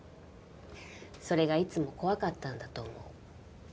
それがいつも怖かったんだと思う。